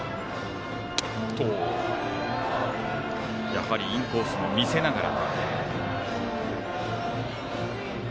やはりインコースも見せながら。